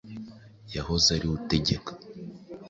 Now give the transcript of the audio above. Yahoze ari we utegeka